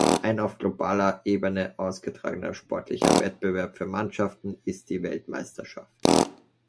Ein auf globaler Ebene ausgetragener sportlicher Wettbewerb für Mannschaften ist die Weltmeisterschaft.